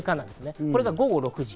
これが午後６時。